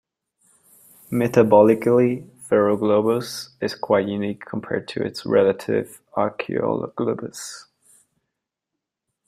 Metabolically, "Ferroglobus" is quite unique compared to its relative "Archaeoglobus".